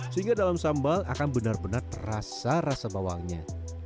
sehingga dalam sambal akan benar benar rasa rasa bawangnya